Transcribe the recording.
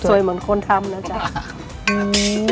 สวยเหมือนคนทำนะจ้า